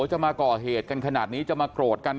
จะมาก่อเหตุกันขนาดนี้จะมาโกรธกัน